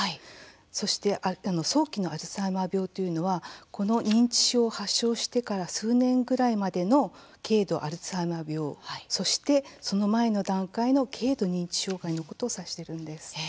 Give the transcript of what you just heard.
そして早期のアルツハイマー病というのは、この認知症を発症してから数年ぐらいまでの軽度アルツハイマー病そして、その前の段階の軽度認知障害のことを指しているんです。